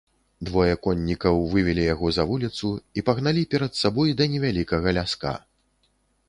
Двое коннікаў вывелі яго за вуліцу і пагналі перад сабой да невялікага ляска.